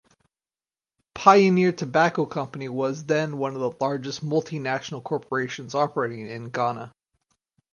Pioneer Tobacco Company was then one of the largest multinational corporations operating in Ghana.